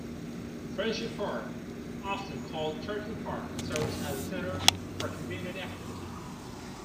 Friendship Park, often called Turtle Park, serves as a center for community activity.